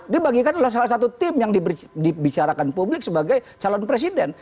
dibagikan oleh salah satu tim yang dibicarakan publik sebagai calon presiden